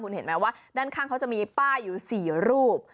เห็นไหมว่าด้านข้างเขาจะมีป้ายอยู่๔รูป